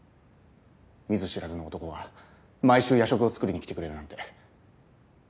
見ず知らずの男が毎週夜食を作りに来てくれるなんて。